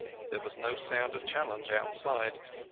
There was no sound of challenge outside.